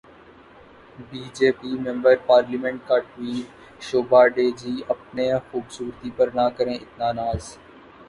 be J P member parliament tweet Shobha, شوبھا ڈے جی ، اپنی خوبصورتی پر نہ کریں اتنا ناز